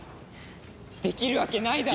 できるわけないだろ！